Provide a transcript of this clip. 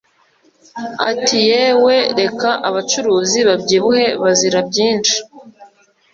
ati"yewe reka abacuruzi babyibuhe bazira byinshi!